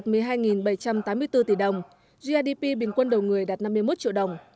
tổng thu ngân sách đạt một trăm tám mươi bốn tỷ đồng grdp bình quân đầu người đạt năm mươi một triệu đồng